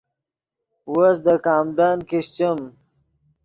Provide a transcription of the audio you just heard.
من دے کامڈن کیشچیم